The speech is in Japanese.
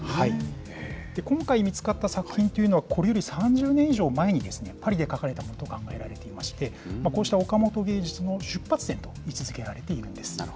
今回見つかった作品というのは、これより３０年以上前に、パリで描かれたものと考えられていまして、こうした岡本芸術の出発点と位置づけられているんです。